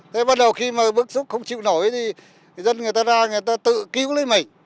thế bắt đầu khi mà bức xúc không chịu nổi thì dân người ta ra người ta tự cứu lấy mình